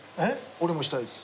俺もしたいです。